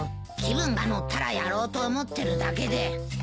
気分が乗ったらやろうと思ってるだけで。